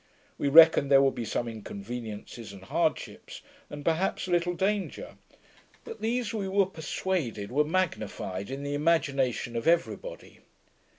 We reckoned there would be some inconveniencies and hardships, and perhaps a little danger; but these we were persuaded were magnified in the imagination of every body.